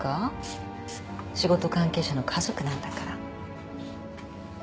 仕事関係者の家族なんだから。